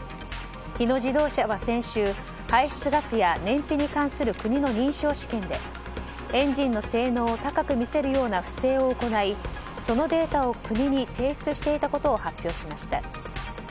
日野自動車は先週、排出ガスや燃費に関する国の認証試験でエンジンの性能を高く見せるような不正を行いそのデータを国に提出していたことを発表しました。